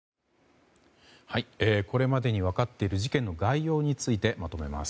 これまでに分かっている事件の概要についてまとめます。